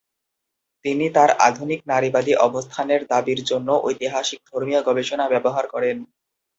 তিনি তার আধুনিক নারীবাদী অবস্থানের দাবির জন্য ঐতিহাসিক ধর্মীয় গবেষণা ব্যবহার করেন।